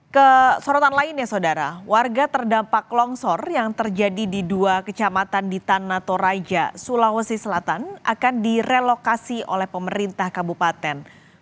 kesorotan lainnya saudara warga terdampak longsor yang terjadi di dua kecamatan di tanah toraja sulawesi selatan akan direlokasi oleh pemerintah kabupaten